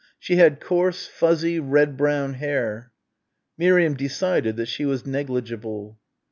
She had coarse fuzzy red brown hair. Miriam decided that she was negligible.